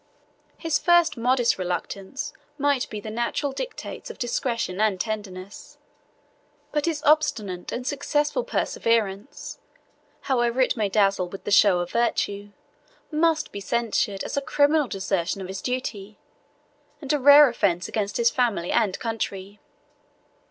His first modest reluctance might be the natural dictates of discretion and tenderness, but his obstinate and successful perseverance, however it may dazzle with the show of virtue, must be censured as a criminal desertion of his duty, and a rare offence against his family and country.